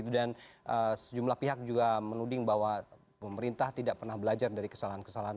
dan sejumlah pihak juga menuding bahwa pemerintah tidak pernah belajar dari kesalahan kesalahan